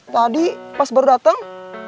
tadi pas baru dateng